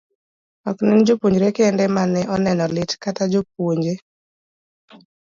Ok en jopuonjre kende ma ne oneno lit, kata jopuonje